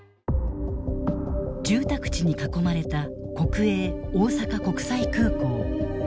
住宅地に囲まれた国営大阪国際空港。